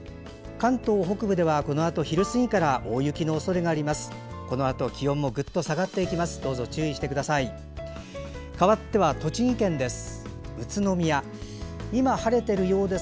関東北部ではこのあと昼過ぎから大雪のおそれがあります。